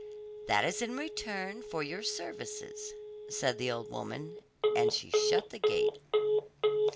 'That is in return for your services,' said the old woman, and she shut the gate.